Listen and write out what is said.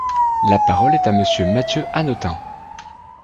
La parole est à Monsieur Mathieu Hanotin.